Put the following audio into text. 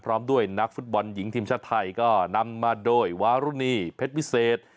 พร้อมด้วยนักฟุตบอลหญิงทีมชาติไทยก็นำมาโดยวารุณีเพชรวิเศษ